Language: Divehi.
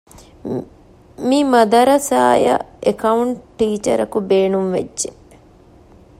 މި މަދަރަސާއަށް އެކައުންޓް ޓީޗަރަކު ބޭނުން ވެއްޖެ